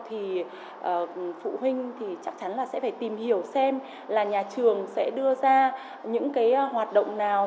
thì phụ huynh thì chắc chắn là sẽ phải tìm hiểu xem là nhà trường sẽ đưa ra những cái hoạt động nào